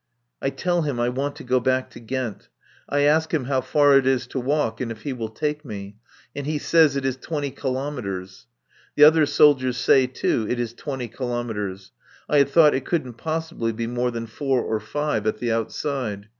I tell him I want to go back to Ghent. I ask him how far it is to walk, and if he will take me. And he says it is twenty kilometres. The other soldiers say, too, it is twenty kilometres. I had thought it couldn't possibly be more than four or five at the outside.